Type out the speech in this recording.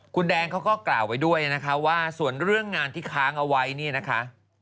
คุณแดงเขาก็กล่าวไว้ด้วยนะคะว่าส่วนเรื่องงานที่ค้างเอาไว้เนี่ยนะคะ